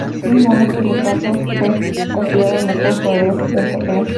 Joakim Noah, de los Gators, fue considerado Mejor Jugador del Torneo.